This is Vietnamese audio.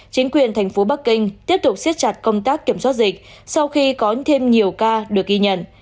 chính quyền thành phố bắc kinh tiếp tục siết chặt công tác kiểm soát dịch sau khi có thêm nhiều ca được ghi nhận